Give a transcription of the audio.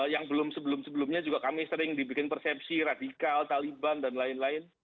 yang sebelum sebelumnya kami juga sering dibuat persepsi radikal taliban dan lain lain